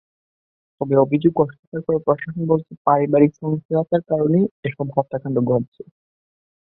তবে অভিযোগ অস্বীকার করে প্রশাসন বলছে, পারিবারিক সহিংসতার কারণেই এসব হত্যাকাণ্ড ঘটেছে।